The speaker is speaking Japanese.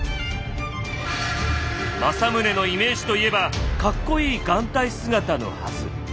政宗のイメージといえばカッコいい眼帯姿のはず。